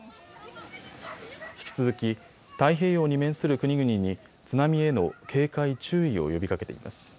引き続き太平洋に面する国々に津波への警戒・注意を呼びかけています。